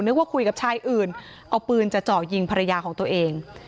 ว่าคุยกับชายอื่นเอาปืนจะเจาะยิงภรรยาของตัวเอง